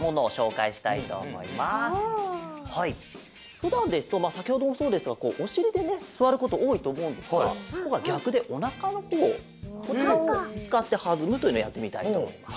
ふだんですとさきほどもそうですがこうおしりでねすわることおおいとおもうんですがぼくはぎゃくでおなかのほうこちらをつかってはずむというのをやってみたいとおもいます。